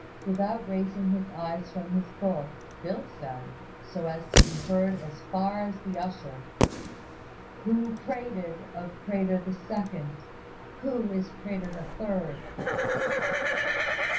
Without raising his eyes from his book, Phil said, so as to be heard as far as the usher, "Who prated, of Prater the second? Who is Prater the third?"